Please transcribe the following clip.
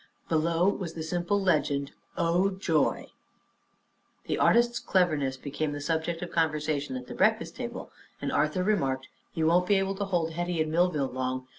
Below was the simple legend: "O Joy!" The artist's cleverness became the subject of conversation at the breakfast table, and Arthur remarked: "You won't be able to hold Hetty in Millville long.